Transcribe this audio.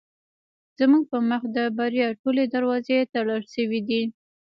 زموږ په مخ د بریا ټولې دروازې تړل شوې دي.